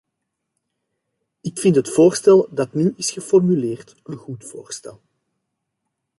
Ik vind het voorstel dat nu is geformuleerd een goed voorstel.